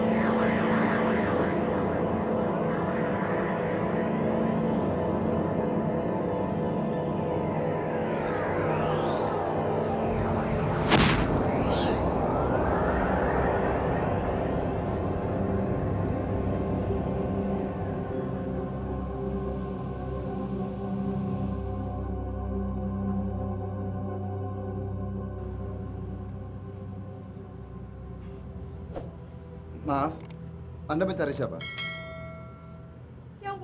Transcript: atau siapapun yang menjengakkan aku